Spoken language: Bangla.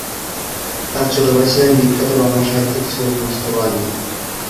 তার ছোট ভাই ছিলেন বিখ্যাত রম্য সাহিত্যিক সৈয়দ মুজতবা আলী।